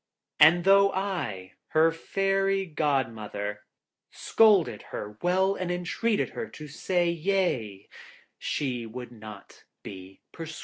And though I, her Fairy Godmother, scolded her well and entreated her to say him yea, she would not be persuaded.